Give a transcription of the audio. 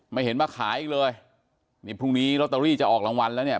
ไม่เห็นมาขายอีกเลยนี่พรุ่งนี้ลอตเตอรี่จะออกรางวัลแล้วเนี่ย